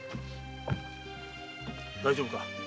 大丈夫か？